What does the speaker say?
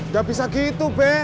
gak bisa gitu be